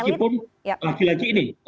meskipun lagi lagi nih